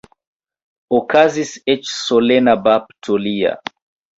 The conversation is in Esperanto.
Okazis eĉ solena bapto lia.